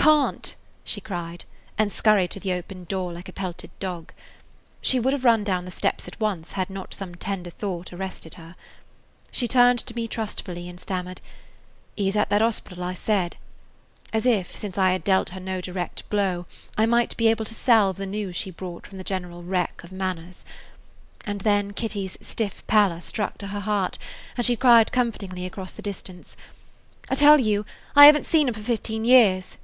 "I can't," she cried, and scurried to the open door like a pelted dog. She would have run down the steps at once had not some tender thought arrested her. She turned to me trustfully and stammered, "He is at that hospital I said," as if, since I had dealt her no direct blow, I might be able to salve the news she brought from the general wreck of manners. And then Kitty's stiff pallor struck to her heart, and cried comfortingly across the distance, "I tell you, I haven't seen him for fifteen years."